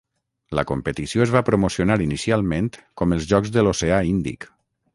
La competició es va promocionar inicialment com els Jocs de l'Oceà Índic.